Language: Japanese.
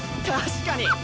確かに！